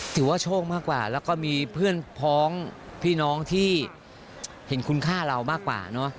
ถือว่าโชคมากกว่าแล้วก็มีเพื่อนพ้องพี่น้องที่เห็นคุณค่าเรามากกว่าเนอะ